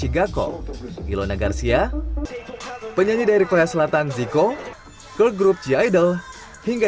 gakow ilona garcia penyanyi dari korea selatan zico girl group the idol hingga